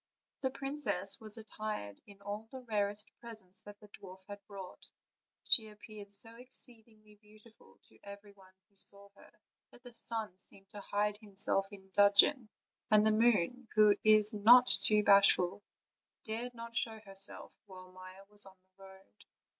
The princess was attired in all the rarest presents that the dwarf had brought; she appeared so exceedingly beautiful to everybody who saw her that the sun seemed to hide himself in dudgeon, and the moon, who is not too bashful, dared not show herself while Maia was on the road.